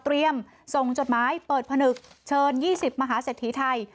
เตรียมส่งจดหมายเปิดพนึกเชิญ๒๐มหาเสถียร์ไทย